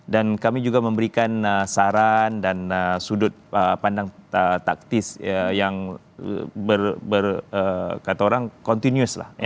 dan kami juga memberikan saran dan sudut pandang taktis yang berkata orang kontinuas lah